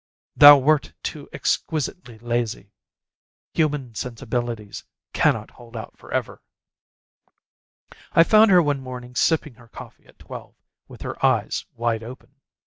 Thou wert too exquisitely lazy. Human sensibilities cannot hold out forever. I found her one morning sipping her coffee at twelve, with her eyes wide open.